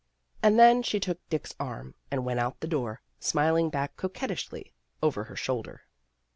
And then she took Dick's arm, and went out the door, smiling back coquettishly over her shoulder.